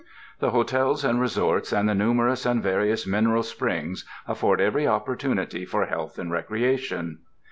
The Hotels and Resorts, and the numerous and various mineral springs, afford every opportunity for health and recreation.